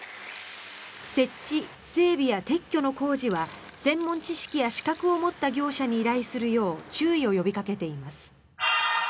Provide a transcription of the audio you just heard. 設置、整備や撤去の工事は専門知識や資格を持った業者に依頼するよう注意を呼びかけています。